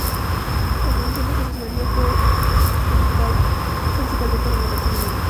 La producción de Jesús María, luego fue dedicada principalmente a la elaboración de vino.